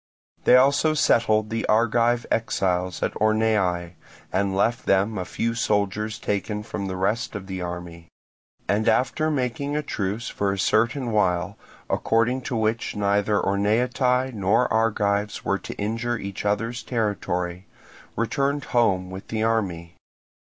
They also settled the Argive exiles at Orneae, and left them a few soldiers taken from the rest of the army; and after making a truce for a certain while, according to which neither Orneatae nor Argives were to injure each other's territory, returned home with the army.